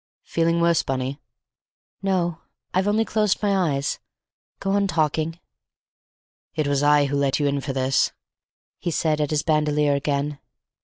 Feeling worse, Bunny?" "No, I've only closed my eyes. Go on talking." "It was I who let you in for this," he said, at his bandolier again.